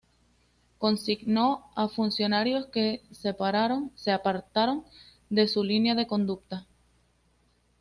Consignó a funcionarios que se apartaron de su línea de conducta.